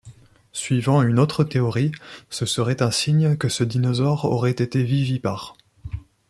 Suivant une autre théorie, ce serait un signe que ce dinosaure aurait été vivipare.